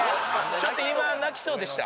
ちょっと今泣きそうでした